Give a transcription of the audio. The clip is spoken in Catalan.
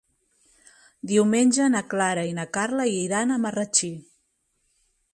Diumenge na Clara i na Carla iran a Marratxí.